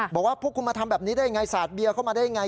บอกว่าพวกคุณมาทำแบบนี้ได้ยังไงสาดเบียร์เข้ามาได้ยังไง